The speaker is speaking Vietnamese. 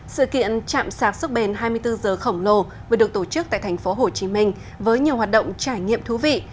sự kiện chạm sạc sức bền hai mươi bốn h khổng lồ vừa được tổ chức tại tp hcm với nhiều hoạt động trải nghiệm thú vị